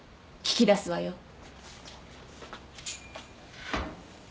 聞き出すわよ。